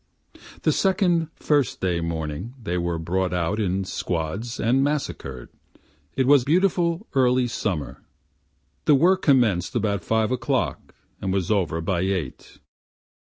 The second First day morning they were brought out in squads and massacred, it was beautiful early summer, The work commenced about five o'clock and was over by eight.